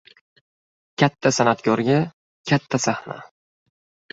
• Katta san’atkorga — katta sahna.